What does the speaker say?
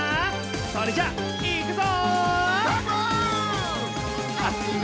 それじゃいくぞ！